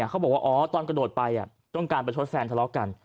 เขาบอกว่าอ๋อตอนกระโดดไปต้องการประชดแฟนทะเลาะกัน